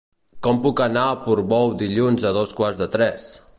Com puc anar a Portbou dilluns a dos quarts de tres?